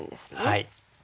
はい。